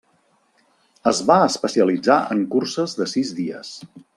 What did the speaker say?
Es va especialitzar en curses de sis dies.